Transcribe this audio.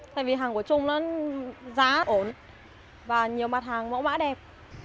tại vì hàng của trung nó giá ổn và nhiều mặt hàng mẫu mã đẹp